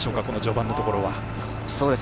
この序盤のところは。